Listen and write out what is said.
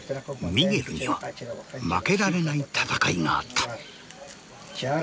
ミゲルには負けられない戦いがあった。